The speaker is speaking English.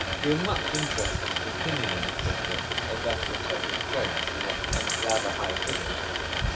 We were much interested in his opinion on this subject, as that of a Turkish judge, and rather high official.